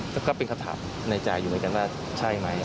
แล้วก็เป็นคำถามในจ่ายอยู่ไว้กันว่าใช่ไหม